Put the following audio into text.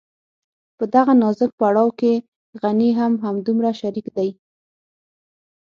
په دغه نازک پړاو کې غني هم همدومره شريک دی.